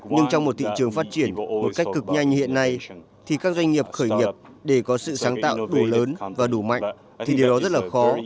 nhưng trong một thị trường phát triển một cách cực nhanh hiện nay thì các doanh nghiệp khởi nghiệp để có sự sáng tạo đủ lớn và đủ mạnh thì điều đó rất là khó